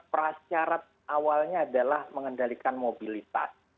prasyarat awalnya adalah mengendalikan mobilitas